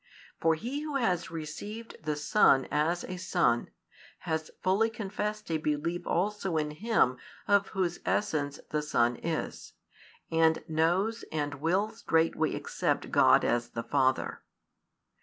For he who has received the Son as a Son, has fully confessed a belief also in Him of Whose essence the Son is, and knows and will straightway accept God as the Father.